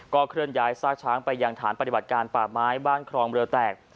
เคลื่อนย้ายซากช้างไปยังฐานปฏิบัติการป่าไม้บ้านครองเรือแตก